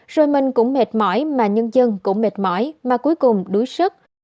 rồi mình cũng mệt mỏi mà nhân dân cũng mệt mỏi mà cuối cùng đuối sức